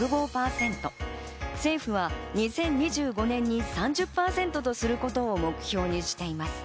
政府は２０２５年に３０％とすることを目標にしています。